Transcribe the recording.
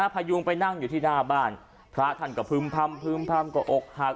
พยุงไปนั่งอยู่ที่หน้าบ้านพระท่านก็พึ่มพำพึ่มพำก็อกหัก